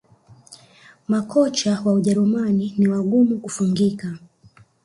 Makocha wa Ujerumani ni wagumu kufungika